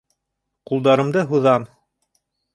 Ҡулдарымды һуҙам!